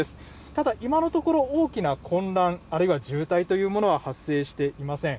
ただ、今のところ、大きな混乱あるいは渋滞というものは発生していません。